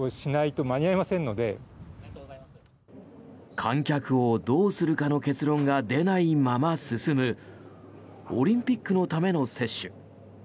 観客をどうするかの結論が出ないまま進むオリンピックのための接種。